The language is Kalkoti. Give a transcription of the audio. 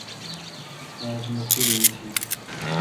آج مہ چیرہ ایتیتھ ۔